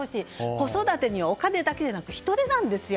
子育てにはお金だけじゃなく人手なんですよ。